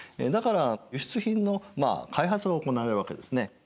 だから輸出品の開発が行われるわけですね。